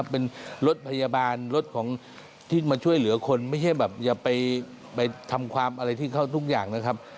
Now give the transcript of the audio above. เป็นรถพยาบาลรถของที่มาช่วยเหลือคนไม่ใช่แบบอย่าไปทำความอะไรที่เขาทุกอย่างนะครับ